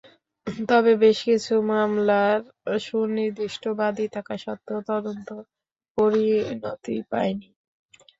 তবে বেশ কিছু মামলার সুনির্দিষ্ট বাদী থাকা সত্ত্বেও তদন্ত পরিণতি পায়নি।